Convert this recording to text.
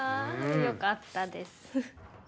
よかったです。